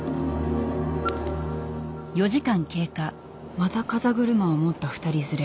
また風車を持った２人連れ。